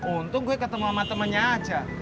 untung gue ketemu sama temannya aja